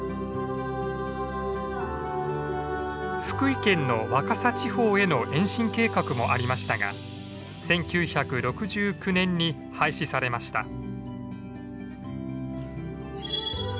福井県の若狭地方への延伸計画もありましたが１９６９年に廃止されました。